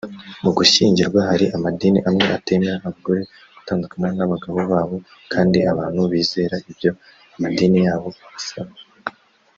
Mu gushyingirwa hari amadini amwe atemerera abagore gutandukana n’abagabo babo kandi abantu bizera ibyo amadini yabo abasaba